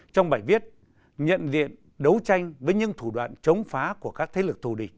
trong bài viết nhận diện đấu tranh với những thủ đoạn chống phá của các thế lực thù địch